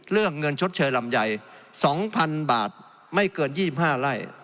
เรื่องเงินชดเชยลำไย๒๐๐๐บาทไม่เกิน๒๕ไร่